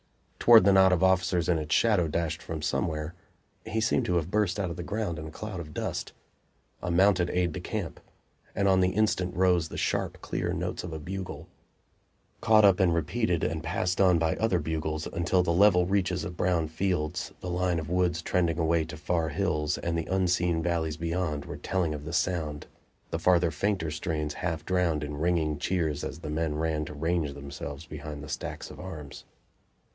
Toward the knot of officers in its shadow dashed from somewhere he seemed to have burst out of the ground in a cloud of dust a mounted aide de camp, and on the instant rose the sharp, clear notes of a bugle, caught up and repeated, and passed on by other bugles, until the level reaches of brown fields, the line of woods trending away to far hills, and the unseen valleys beyond were "telling of the sound," the farther, fainter strains half drowned in ringing cheers as the men ran to range themselves behind the stacks of arms.